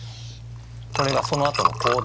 これがそのあとの行動。